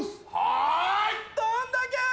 どんだけー。